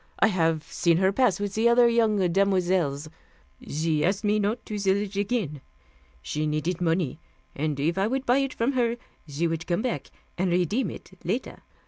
I haf seen her pass with the other young demoiselles. She asked me not to sell it again. She needed money, and if I would buy it from her, she would come back and redeem it later.